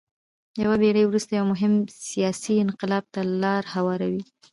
یوه پېړۍ وروسته یو مهم سیاسي انقلاب ته لار هواروي.